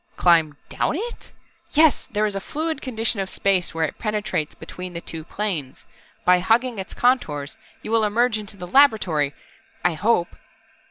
"Climb down it ?" "Yes, there is a fluid condition of space where it penetrates between the two planes. By hugging its contours you will emerge into the laboratory I hope!"